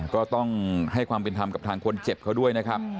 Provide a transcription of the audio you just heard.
ก็ต้องให้ความเป็นธรรมกับทางคนเจ็บเขาด้วยนะครับ